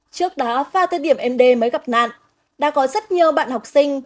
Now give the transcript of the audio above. trước đó vào thời điểm md mới gặp nạn đã có rất nhiều bạn học sinh